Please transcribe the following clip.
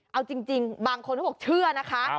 เอาจริงบางคนเขาบอกเชื่อนะคะ